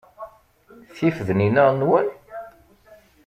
Tifednin-a nwen?